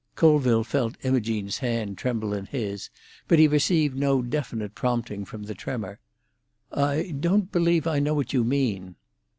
Colville felt Imogene's hand tremble in his, but he received no definite prompting from the tremor. "I don't believe I know what you mean."